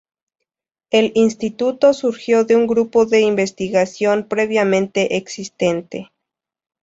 El instituto surgió de un grupo de investigación previamente existente.